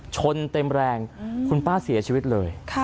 ชนเต็มแรงคุณป้าเสียชีวิตเลย